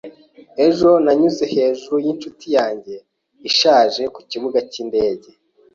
Ejo nanyuze hejuru yinshuti yanjye ishaje kukibuga cyindege.